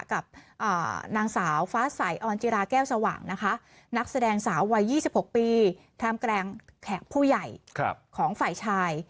กับนางสาวฟ้าใสออนจิราแก้วสว่างนะคะนักแสดงสาววัย๒๖ปีท่ามกลางแขกผู้ใหญ่ของฝ่ายชาย